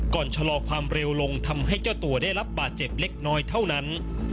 ชะลอความเร็วลงทำให้เจ้าตัวได้รับบาดเจ็บเล็กน้อยเท่านั้น